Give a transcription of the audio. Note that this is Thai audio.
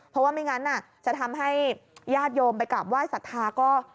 เพราะว่าไม่งั้นจะทำให้ญาติโยมไปกลับว่ายศรัทธา